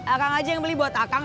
akang aja yang beli buat akang